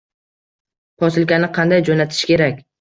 Posilkani qanday jo’natish kerak?